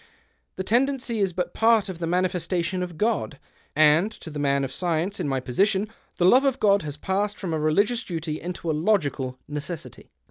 o The tendency is but part of the manifestation of God, and to the man of science in my position the love of God has passed from a religious duty into a logical necessity.